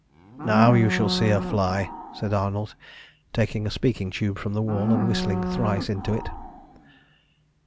"Now, you shall see her fly," said Arnold, taking a speaking tube from the wall and whistling thrice into it.